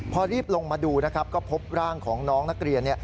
พอรีบลงมาดูนะครับก็พบร่างของน้องนักเรียน